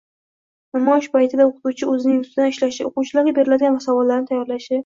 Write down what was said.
Namoyish paytida o‘qituvchi o‘zining ustidan ishlashi, o‘quvchilarga beriladigan savollarni tayyorlashi